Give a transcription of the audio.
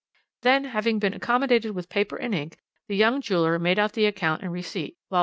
Then, having been accommodated with paper and ink, the young jeweller made out the account and receipt, whilst M.